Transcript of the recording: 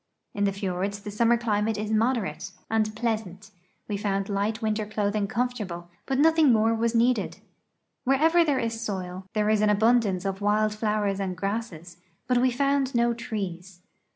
In the fiords the summer climate is moderate and THE "hope" in the ICE OFF CAPE MERCY pleasant; we found light winter clothing comfortable, but noth ing more was needed. Wherever there is soil, there is an abun dance of wild flowers and grasses, but we found no trees.